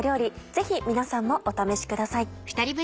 ぜひ皆さんもお試しください。